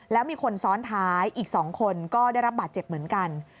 แล้วมีคนซ้อนท้ายอีก๒คนก็ได้รับบาดเจ็บเหมือนกัน